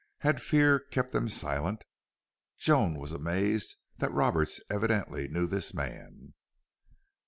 Had fear kept them silent? Joan was amazed that Roberts evidently knew this man.